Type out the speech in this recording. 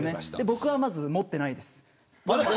僕は、まず持ってないです。